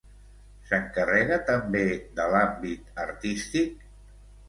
S'encarrega també de l'àmbit artístic?